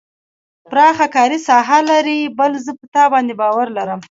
پراخه کاري ساحه لري بل زه په تا باندې باور لرم.